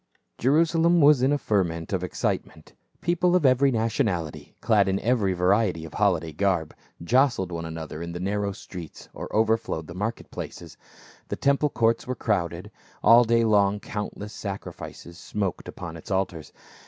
JERUSALEM was in a ferment of excitement; people of ever),' nationality, clad in every variety of holiday garb, jostled one another in the narrow streets, or overflowed the market places. The temple courts were crowded ; all day long countless sacrifices smoked upon its altars.